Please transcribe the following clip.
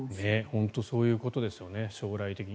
本当にそういうことですね。